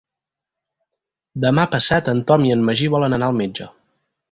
Demà passat en Tom i en Magí volen anar al metge.